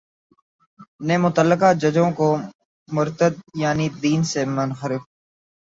نے متعلقہ ججوں کو مرتد یعنی دین سے منحرف